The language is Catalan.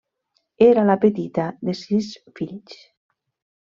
Era la petita de sis fills.